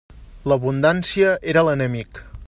L'abundància era l'enemic.